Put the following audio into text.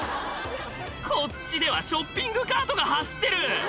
こっちではショッピングカートが走ってる！